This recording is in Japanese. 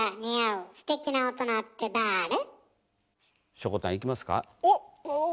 しょこたんいきますか。